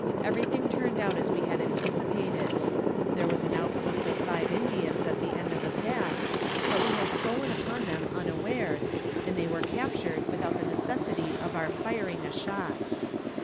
Everything turned out as we had anticipated. There was an outpost of five Indians at the end of the pass, but we had stolen upon them unawares, and they were captured without the necessity of our firing a shot.